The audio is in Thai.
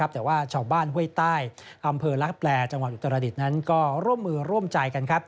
แต่ว่าชาวบ้านห้วยใต้อำเภอลักษรจังหวัดอุตรดิษฐ์นั้นก็ร่วมมือร่วมใจกัน